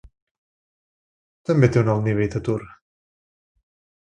També té un alt nivell d'atur.